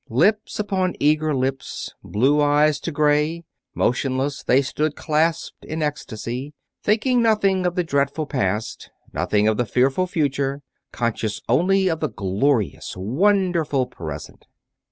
Lips upon eager lips, blue eyes to gray, motionless they stood clasped in ecstasy; thinking nothing of the dreadful past, nothing of the fearful future, conscious only of the glorious, wonderful present.